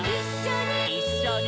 「いっしょに」